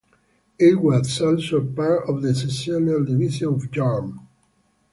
It was also a part of the sessional division of Yarm.